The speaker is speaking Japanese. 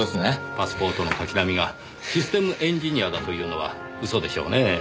パスポートの滝浪がシステムエンジニアだというのは嘘でしょうねぇ。